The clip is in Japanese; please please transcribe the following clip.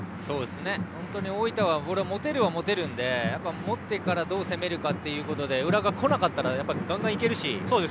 本当に大分もボールを持てるは持てるので持ったときにどう攻めるかということで浦和が来なかったらガンガン行けるし。